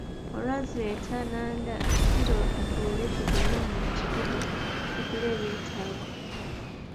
Olwazireeta n'andagira ntuule tugende mu kibuga tugule ebyetaago.